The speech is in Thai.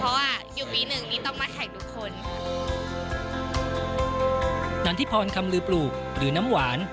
เพราะว่าอยู่ปีหนึ่งนี้ต้องมาแข่งทุกคนนันทิพรคำลือปลูกหรือน้ำหวาน